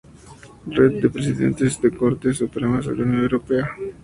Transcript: Red de Presidentes de Cortes Supremas de la Unión Europea.